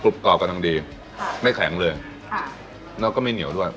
กรอบกำลังดีค่ะไม่แข็งเลยค่ะแล้วก็ไม่เหนียวด้วย